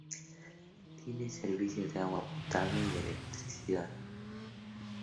Tiene servicio de agua potable y electricidad.